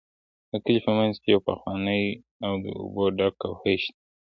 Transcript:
د کلي په منځ کې یو پخوانی او د اوبو ډک کوهی شته.